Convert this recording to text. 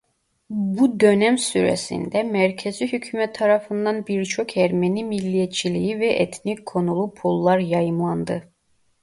Bu dönem süresinde merkezi hükûmet tarafından birçok Ermeni milliyetçiliği ve etnik konulu pullar yayımlandı.